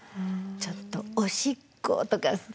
「ちょっとおしっこ」とかって。